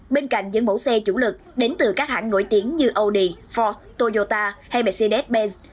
bên cạnh những mẫu xe chủ lực đến từ các hãng nổi tiếng như audi ford toyota hay mercedes benz